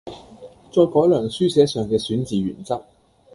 再改良書寫上嘅選字原則